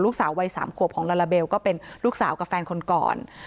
ลูกสาววัย๓ขวบของลาลาเบลก็เป็นลูกสาวกับแฟนคนก่อน